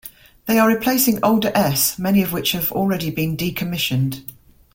They are replacing older s, many of which have already been decommissioned.